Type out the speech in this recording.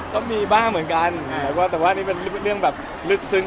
ก็มีบ้างเหมือนกันแต่ว่านี่เป็นเรื่องแบบลึกซึ้ง